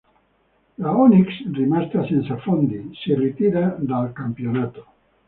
La Onyx, rimasta senza fondi, si ritira dal campionato.